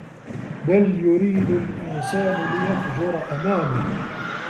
بَل يُريدُ الإِنسانُ لِيَفجُرَ أَمامَهُ